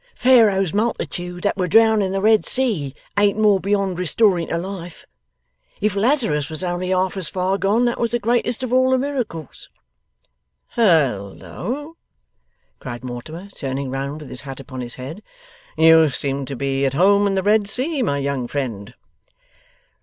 Pharaoh's multitude that were drowned in the Red Sea, ain't more beyond restoring to life. If Lazarus was only half as far gone, that was the greatest of all the miracles.' 'Halloa!' cried Mortimer, turning round with his hat upon his head, 'you seem to be at home in the Red Sea, my young friend?